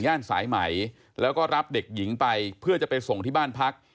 สายไหมแล้วก็รับเด็กหญิงไปเพื่อจะไปส่งที่บ้านพัก